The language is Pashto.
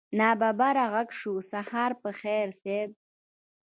ناببره غږ شو سهار په خير صيب.